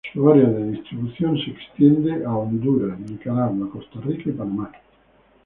Su área de distribución se extiende en Honduras, Nicaragua, Costa Rica y Panamá.